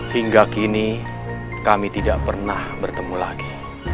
hingga kini kami tidak pernah bertemu lagi